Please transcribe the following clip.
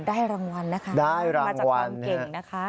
ได้รางวัลนะคะมาจากความเก่งนะคะ